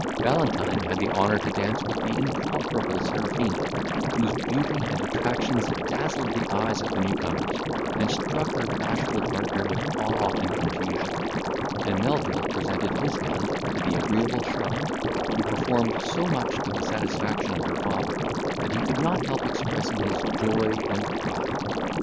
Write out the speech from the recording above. Valentine had the honour to dance with the incomparable Serafina, whose beauty and attractions dazzled the eyes of the new comers, and struck her bashful partner with awe and confusion; and Melvil presented his hand to the agreeable Charlotte, who performed so much to the satisfaction of her father, that he could not help expressing his joy and pride.